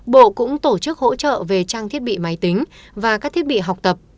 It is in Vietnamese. bộ cũng tổ chức hỗ trợ về trang thiết bị máy tính và các thiết bị học tập